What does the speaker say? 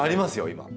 今。